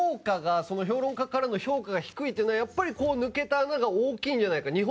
評論家からの評価が低いっていうのはやっぱり抜けた穴が大きいんじゃないか。